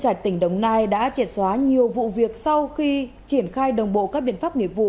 trạch tỉnh đồng nai đã triệt xóa nhiều vụ việc sau khi triển khai đồng bộ các biện pháp nghiệp vụ